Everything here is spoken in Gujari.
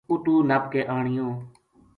اُتو نپ کے آنیو